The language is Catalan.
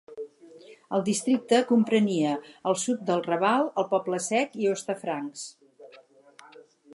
El districte comprenia el sud del Raval, el Poble Sec i Hostafrancs.